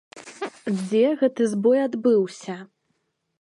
Дзе гэты збой адбыўся?